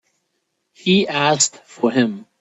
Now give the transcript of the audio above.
He asked for him.